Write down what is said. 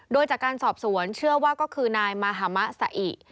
โดยจากการสอบสวนเชื่อว่าก็คือนายมหามะสะอิ